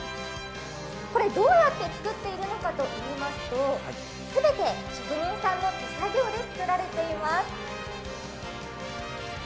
これ、どうやって作っているのかといいますと、全て職人さんの手作業で作られています。